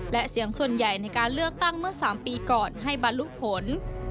และเสียงส่วนใหญ่ในการเลือกตั้งเมื่อ๓ปีก่อนให้บรรลุผล